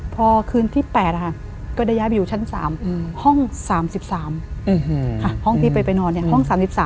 พอคืนที่๘ก็ได้ย้ายไปอยู่ชั้น๓ห้อง๓๓ห้องที่ไปนอนห้อง๓๓